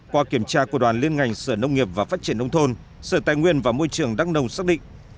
qua kiểm tra của đoàn liên ngành sở nông nghiệp và phát triển nông thôn sở tài nguyên và môi trường đắk nông xác định